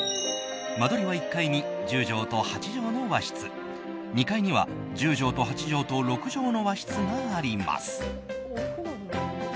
間取りは１階に１０畳と８畳の和室２階には１０畳と８畳と６畳の和室があります。